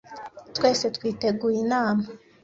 Twese twiteguye inama.